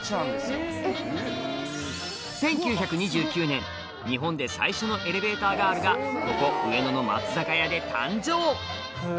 １９２９年日本で最初のエレベーターガールがここ上野の松坂屋で誕生！